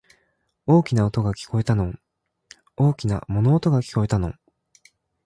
大きな音が、聞こえたの。大きな物音が、聞こえたの。